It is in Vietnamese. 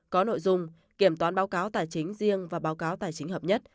có nội dung kiểm toán báo cáo tài chính riêng và báo cáo tài chính hợp nhất